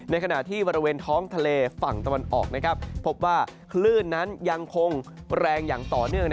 ขณะที่บริเวณท้องทะเลฝั่งตะวันออกพบว่าคลื่นนั้นยังคงแรงอย่างต่อเนื่อง